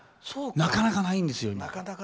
なかなかないんですよ、今。